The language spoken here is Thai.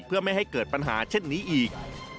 เพื่อไม่ให้เกิดปัญหาเช่นนี้อีก